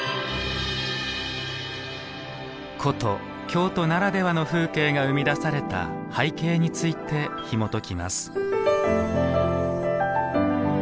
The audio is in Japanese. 古都京都ならではの風景が生み出された背景についてひもときます。